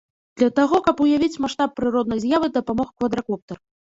Для таго, каб уявіць маштаб прыроднай з'явы, дапамог квадракоптэр.